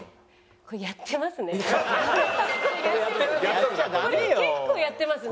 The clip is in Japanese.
これ結構やってますね。